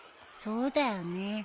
そうだよね。